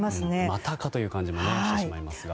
またかという感じもしてしまいますが。